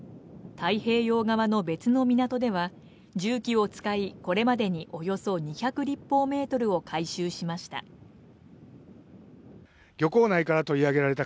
太平洋側の別の港では重機を使いこれまでにおよそ２００立方メートルを回収しました。